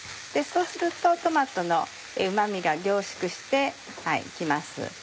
そうするとトマトのうま味が凝縮して来ます。